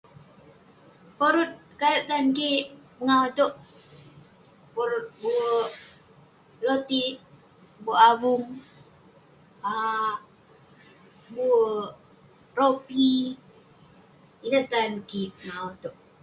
Porut kayouk tan kik pengawu itouk, porut buerk belotik, buerk avung, um buerk- lopi. ineh tan kik pengawu itouk.